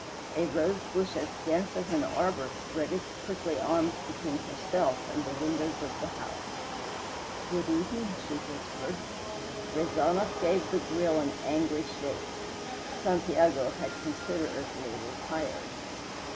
A rosebush as dense as an arbor spread its prickly arms between herself and the windows of the house. "Good evening," she whispered. Rezanov gave the grill an angry shake. (Santiago had considerately retired.)